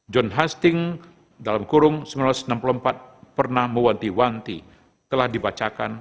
john husting dalam kurung seribu sembilan ratus enam puluh empat pernah mewanti wanti telah dibacakan